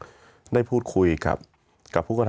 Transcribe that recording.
มีความรู้สึกว่ามีความรู้สึกว่า